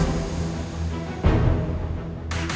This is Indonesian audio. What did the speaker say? tidak kita harus ke dapur